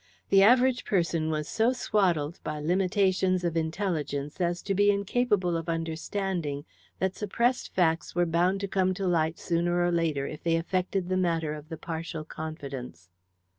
The average person was so swaddled by limitations of intelligence as to be incapable of understanding that suppressed facts were bound to come to light sooner or later if they affected the matter of the partial confidence.